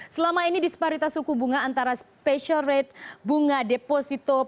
selama ini disparitas suku bunga antara special rate bunga deposito